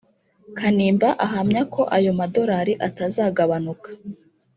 Kanimba ahamya ko ayo madolari atazagabanuka